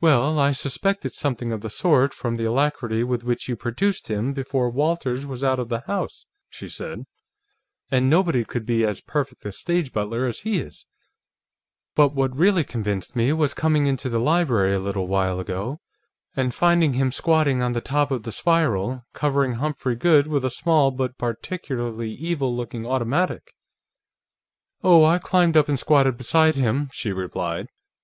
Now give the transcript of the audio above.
"Well, I suspected something of the sort from the alacrity with which you produced him, before Walters was out of the house," she said. "And nobody could be as perfect a stage butler as he is. But what really convinced me was coming into the library, a little while ago, and finding him squatting on the top of the spiral, covering Humphrey Goode with a small but particularly evil looking automatic." Rand chuckled. "What did you do?" "Oh, I climbed up and squatted beside him," she replied.